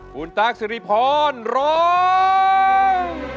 คุณตั๊กสิริพรร้อง